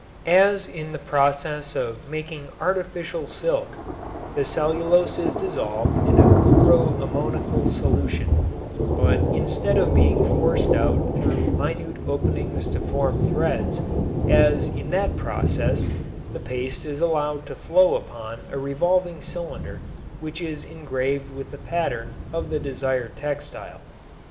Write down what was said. As in the process of making artificial silk the cellulose is dissolved in a cupro ammoniacal solution, but instead of being forced out through minute openings to form threads, as in that process, the paste is allowed to flow upon a revolving cylinder which is engraved with the pattern of the desired textile.